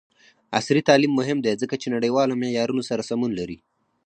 عصري تعلیم مهم دی ځکه چې نړیوالو معیارونو سره سمون لري.